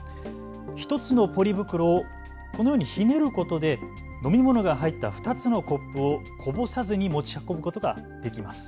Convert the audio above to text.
１つのポリ袋をこのようにひねることで飲みものが入った２つのコップをこぼさずに持ち運ぶことができます。